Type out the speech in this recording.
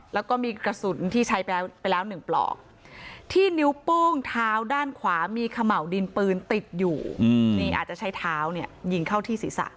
แล้วก็มีกระสุนที่ใช้ไปแล้ว๑ปลอกที่นิ้วโป้งเท้าด้านขวามีเขม่าวดินปืนติดอยู่นี่อาจจะใช้เท้าเนี่ยยิงเข้าที่ศีรษะ